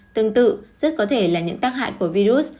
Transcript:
tương tự rất có thể là những tác hại của virus